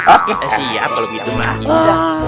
oke siap kalau gitu mah